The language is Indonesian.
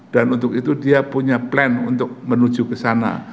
dan untuk itu dia punya plan untuk menuju ke sana